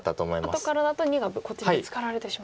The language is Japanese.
後からだと②がこっちにブツカられてしまうと。